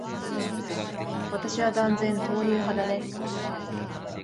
私は断然、豆乳派だね。